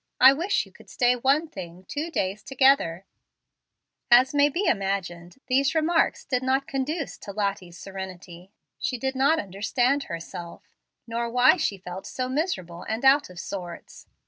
I wish you could stay one thing two days together." As may be imagined, these remarks did not conduce to Lottie's serenity. She did not understand herself; nor why she felt so miserable and out of sorts.